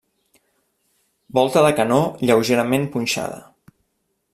Volta de canó lleugerament a punxada.